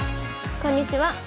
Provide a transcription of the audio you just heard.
こんにちは。